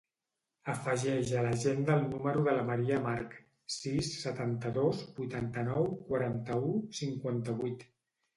Afegeix a l'agenda el número de la Maria March: sis, setanta-dos, vuitanta-nou, quaranta-u, cinquanta-vuit.